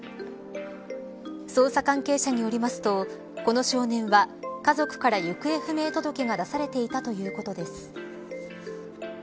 捜査関係者によりますとこの少年は家族から行方不明届が出されていたということです。